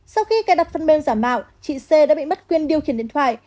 sau khi cài đặt phân mêm giả mạo chị c đã bị mất quyền điều khiển điện thoại